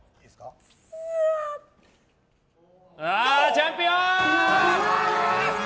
チャンピオン！